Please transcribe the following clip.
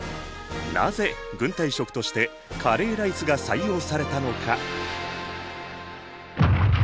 なぜ軍隊食としてカレーライスが採用されたのか？